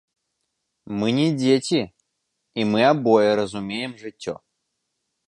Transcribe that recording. Мы не дзеці, і мы абое разумеем жыццё.